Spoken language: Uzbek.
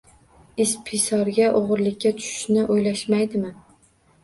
Ispisorga o‘g‘irlikka tushishni o‘ylashmaydimi